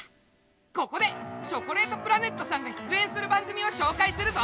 ここでチョコレートプラネットさんが出演する番組を紹介するぞ！